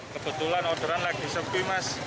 kebetulan orderan lagi sepi mas